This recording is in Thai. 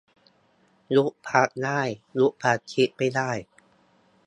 ยุบพรรคได้ ยุบความคิดไม่ได้